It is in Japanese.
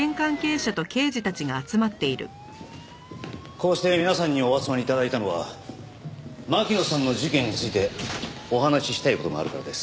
こうして皆さんにお集まり頂いたのは巻乃さんの事件についてお話ししたい事があるからです。